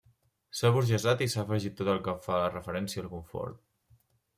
S'ha aburgesat i s'ha afegit tot el que fa referència al confort.